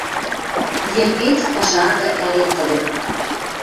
Йӹрвец ыжаргы ӓрен тӹдӹм